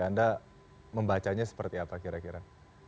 anda membacanya seperti apa kira kira